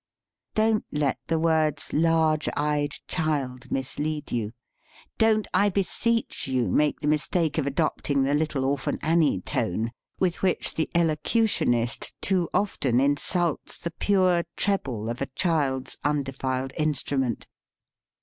Don't let the words "large eyed Child" mis lead you. Don't, I beseech you, make the mistake of adopting the "Little Orphan Annie" tone with which the "elocutionist" too often insults the pure treble of a child's "undefiled" instrument.